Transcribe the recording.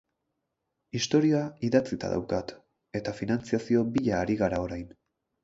Istorioa idatzita daukat, eta finantzazio bila ari gara orain.